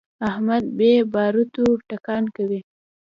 احمد بې باروتو ټکان کوي.